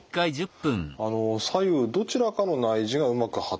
あの左右どちらかの内耳がうまく働かない。